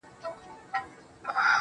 د سترګو په برخه کې